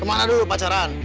kemana dulu pacaran